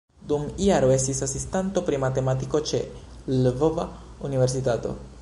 Dum jaro estis asistanto pri matematiko ĉe Lvova Universitato.